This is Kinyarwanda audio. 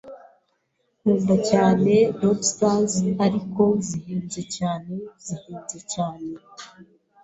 Nkunda cyane lobsters, ariko zihenze cyane, zihenze cyane.